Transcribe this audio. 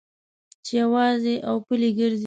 چې یوازې او پلي ګرځې.